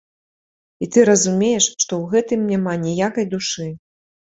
І ты разумееш, што ў гэтым няма ніякай душы.